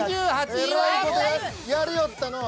やりよったのぉ。